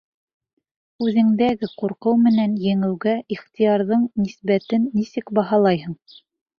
Үҙеңдәге ҡурҡыу менән еңеүгә ихтыярҙың нисбәтен нисек баһалайһың?